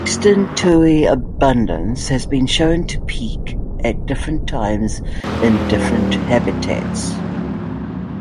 Eastern towhee abundance has been shown to peak at different times in different habitats.